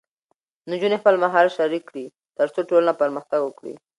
نجونې خپل مهارت شریک کړي، ترڅو ټولنه پرمختګ وکړي.